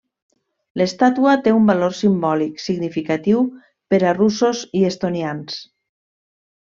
L'estàtua té un valor simbòlic significatiu per a russos i estonians.